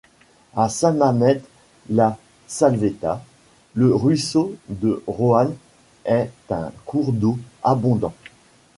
À Saint-Mamet-la-Salvetat, le ruisseau de Roannes est un cours d'eau abondant.